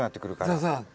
そうそう。